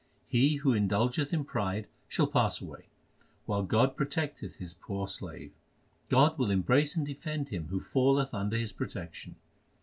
He who indulgeth in pride shall pass away, While God protecteth His poor slave. God will embrace and defend him Who falleth under His protection.